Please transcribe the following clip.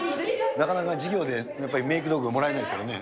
なかなか授業でやっぱりメイク道具、もらえないですからね。